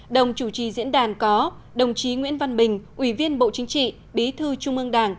đồng chủ trì diễn đàn có đồng chí nguyễn văn bình ủy viên bộ chính trị bí thư trung ương đảng